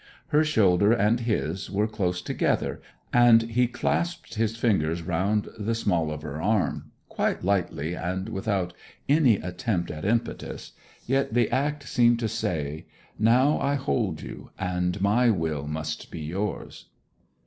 Her shoulder and his were close together, and he clasped his fingers round the small of her arm quite lightly, and without any attempt at impetus; yet the act seemed to say, 'Now I hold you, and my will must be yours.'